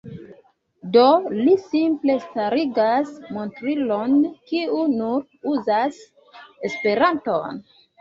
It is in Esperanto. Do, li simple starigas montrilon, kiu nur uzas Esperanton.